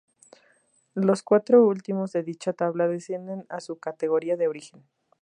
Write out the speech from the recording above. Los cuatro últimos de dicha tabla descienden a su categoría de origen.